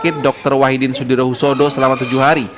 setelah sakit dokter wahidin sudirohusodo selama tujuh hari